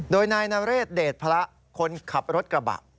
โดยนายนเรศเดชพระคนขับรถกระบะ